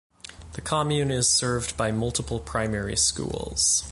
The commune is served by multiple primary schools.